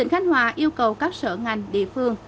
khánh hòa yêu cầu các sở ngành địa phương